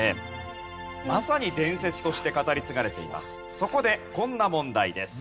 そこでこんな問題です。